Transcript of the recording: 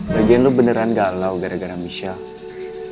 bagian lo beneran galau gara gara michelle